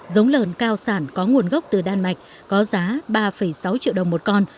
giống lợn cao sản có nguồn gốc từ đan mạch có giá ba sáu triệu đồng một con